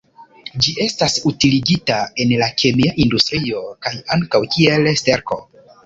Ĝi estas utiligita en la kemia industrio kaj ankaŭ kiel sterko.